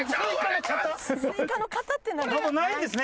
もうないんですね？